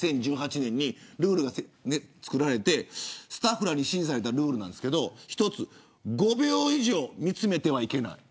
２０１８年にルールが作られてスタッフらに指示されたルールなんですけど５秒以上見つめてはいけない。